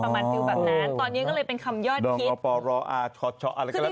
ตอนนี้ก็เลยเป็นคำยอดคิดดองอปอล์รออาชอตอะไรก็แล้ว